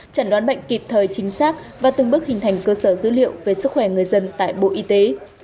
chẩn đoán bệnh kịp thời chính xác và từng bước hình thành cơ sở dữ liệu về sức khỏe người dân tại bộ y tế